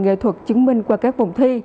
nghệ thuật chứng minh qua các vòng thi